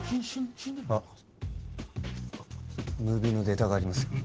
山岡さんあっムービーのデータがありますよ